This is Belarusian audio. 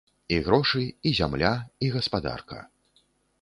І грошы, і зямля, і гаспадарка.